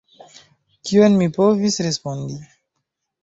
Kion mi povis respondi?